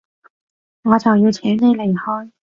我就要請你離開